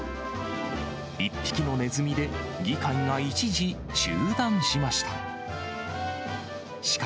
１匹のネズミで、議会が一時チュー断しました。